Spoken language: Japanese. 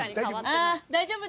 大丈夫？